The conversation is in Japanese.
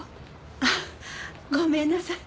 あっごめんなさい。